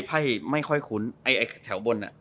ไพ่ไม่ค่อยคุ้นไอ้แถวบนอ่ะ